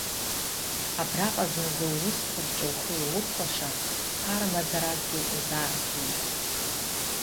Абраҟа зназы уусқәа рҿы ухы иаурхәаша ԥара мазаракгьы узаарҭиит.